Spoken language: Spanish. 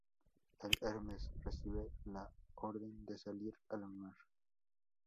El "Hermes" recibe la orden de salir al mar.